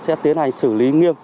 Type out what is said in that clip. sẽ tiến hành xử lý nghiêm